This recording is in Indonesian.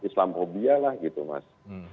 islam phobia lah gitu mas